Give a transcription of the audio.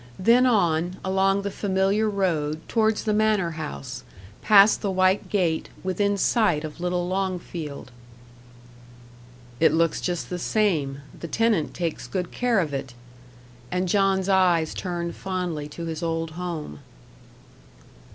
Then on, along the familiar road, towards the manor house; past the white gate, within sight of little Longfield. "It looks just the same the tenant takes good care of it." And John's eyes turned fondly to his old home.